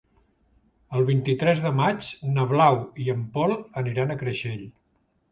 El vint-i-tres de maig na Blau i en Pol aniran a Creixell.